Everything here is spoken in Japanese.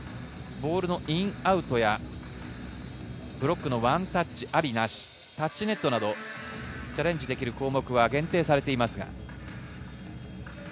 ボールのインアウトやブロックのワンタッチのありなし、タッチネットなどチャレンジできる項目は限定されています。